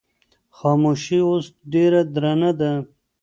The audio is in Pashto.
خاموشي اوس ډېره درنه ده.